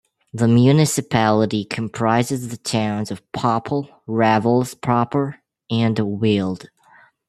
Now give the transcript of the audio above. The municipality comprises the towns of Poppel, Ravels proper and Weelde.